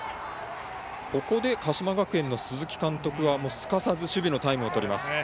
ここで鹿島学園の鈴木監督はすかさず守備のタイムをとります。